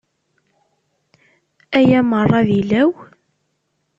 Aya merra d ilaw?